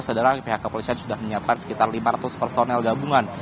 sedangkan pihak kepolisian sudah menyiapkan sekitar lima ratus personel gabungan